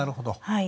はい。